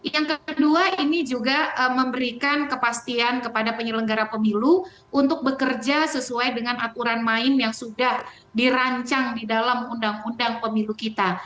yang kedua ini juga memberikan kepastian kepada penyelenggara pemilu untuk bekerja sesuai dengan aturan main yang sudah dirancang di dalam undang undang pemilu kita